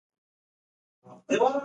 هسې نه خوله یې وسېزي.